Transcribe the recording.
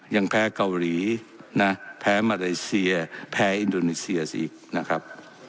ยังแพ้เกาหลีนะแพ้มาเลเซียแพ้อินโดนีเซียอีกนะครับ